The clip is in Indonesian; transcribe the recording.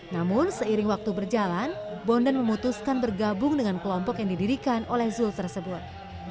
namun seiring waktu berjalan bondan memutuskan bergabung dengan kelompok yang didirikan oleh zul tersebut